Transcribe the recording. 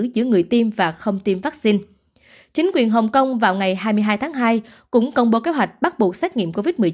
chính quyền hong kong vào ngày hai mươi hai tháng hai cũng công bố kế hoạch bắt buộc xét nghiệm covid một mươi chín